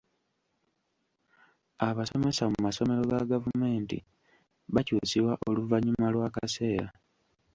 Abasomesa mu masomero ga gavumenti bakyusibwa oluvannyuma lw'akaseera.